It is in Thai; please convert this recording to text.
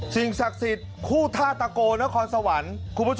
สิ่งศักดิ์สิทธิ์ภูมิธาตโกนครสวรรค์